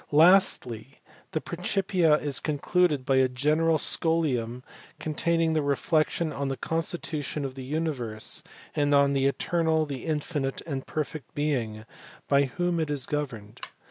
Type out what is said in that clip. Lastly the Principia is concluded by a general scholium containing reflections on the constitution of the universe, and on "the eternal, the infinite, and perfect Being" by whom it is governed.